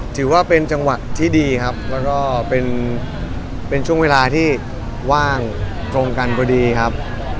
ถือว่าเป็นจังหวะที่ดีครับแล้วก็เป็นช่วงเวลาที่ว่างตรงกันพอดีครับ